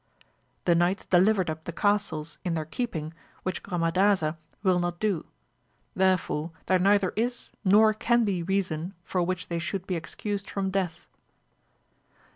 The knights delivered up the castles in their keeping, which Gromadaza will not do, therefore there neither is nor can be reason for vrhich. they should be excused from death.